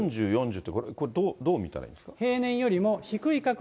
２０、４０、４０ってこれ、どう見たらいいんですか。